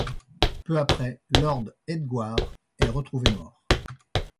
Peu après, Lord Edgware est retrouvé mort.